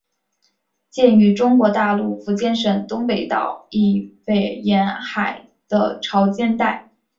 见于中国大陆福建省东山岛以北沿海的潮间带。